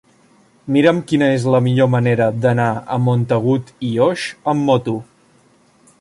Mira'm quina és la millor manera d'anar a Montagut i Oix amb moto.